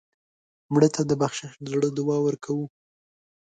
مړه ته د بخشش د زړه دعا ورکوو